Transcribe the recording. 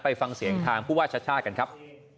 ฟังเสียงทางผู้ว่าชาติชาติกันครับ